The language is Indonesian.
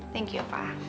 thank you pa